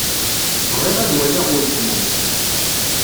Bɣiɣ ad waliɣ weltma-m.